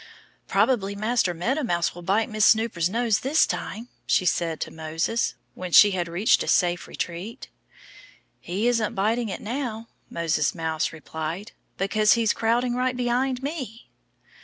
"Probably Master Meadow Mouse will bite Miss Snooper's nose this time," she said to Moses, when she had reached a safe retreat. "He isn't biting it now," Moses Mouse replied, "because he's crowding right behind me."